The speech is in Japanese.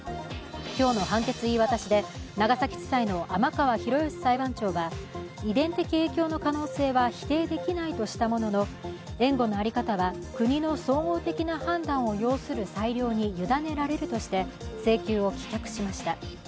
今日の判決言い渡しで長崎地裁の天川博義裁判長は、遺伝的影響の可能性は否定できないとしたものの援護のあり方は、国の総合的な判断を要する裁量に委ねられるとして、請求を棄却しました。